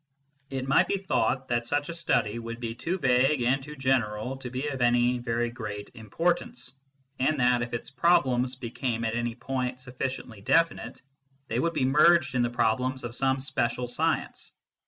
It might be thought that such a study would be too vague and too general to be of any very great importance, and that, if its problems became at any point sufficiently definite, they would be merged in the problems of some special science.